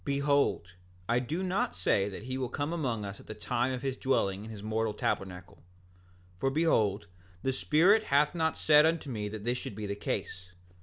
7:8 Behold, I do not say that he will come among us at the time of his dwelling in his mortal tabernacle; for behold, the Spirit hath not said unto me that this should be the case.